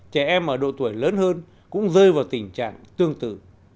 trẻ em ở độ tuổi lớn hơn cũng rơi vào tình trạng tương tự